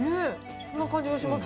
そんな感じがします。